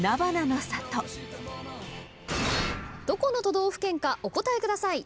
どこの都道府県かお答えください。